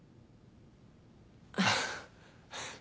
あっ。